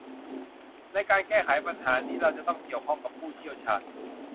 ในการแก้ไขปัญหานี้เราจะต้องเกี่ยวข้องกับผู้เชี่ยวชาญ